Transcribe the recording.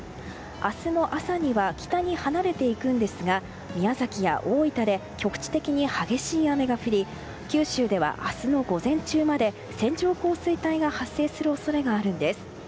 明日の朝には北に離れていくんですが宮崎や大分で局地的に激しい雨が降り九州では明日の午前中まで線状降水帯が発生する恐れがあるんです。